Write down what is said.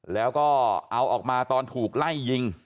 แล้วก็เอาออกมาตอนถูกไล่ยิง